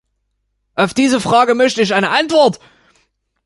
Auf diese Frage möchte ich eine Antwort.